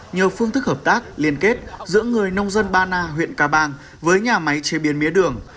nhờ phương thức hợp tác liên kết giữa người nông dân ba na huyện ca bang với nhà máy chế biến mía đường